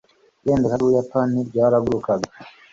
ibendera ry'ubuyapani ryaragurukaga